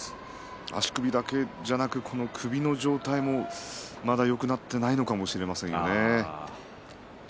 足首だけじゃなくて首の状態もまだよくなっていないのかもしれませんよね。